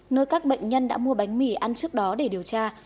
nơi các bệnh nhân đã mua bánh mì ăn trước đó để điều tra